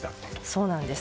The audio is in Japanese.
そうなんです。